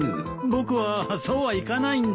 僕はそうはいかないんだ。